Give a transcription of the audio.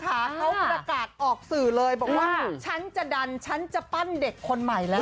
เขาประกาศออกสื่อเลยบอกว่าฉันจะดันฉันจะปั้นเด็กคนใหม่แล้ว